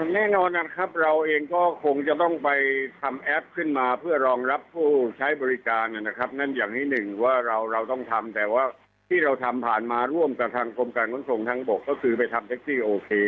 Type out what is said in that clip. แน่นอนนะครับเราเองก็คงจะต้องไปทำแอปขึ้นมาเพื่อรองรับผู้ใช้บริการนะครับนั่นอย่างที่หนึ่งว่าเราเราต้องทำแต่ว่าที่เราทำผ่านมาร่วมกับทางกรมการขนส่งทางบกก็คือไปทำแท็กซี่โอเค